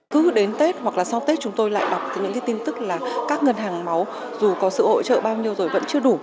cứ đến tết hoặc là sau tết chúng tôi lại đọc những tin tức là các ngân hàng máu dù có sự hỗ trợ bao nhiêu rồi vẫn chưa đủ